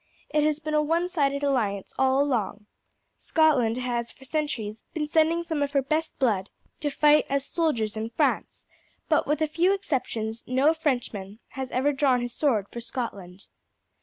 It has been a one sided alliance all along. Scotland has for centuries been sending some of her best blood to fight as soldiers in France, but with a few exceptions no Frenchman has ever drawn his sword for Scotland.